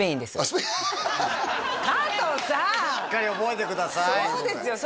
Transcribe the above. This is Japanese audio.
しっかり覚えてくださいそうですよ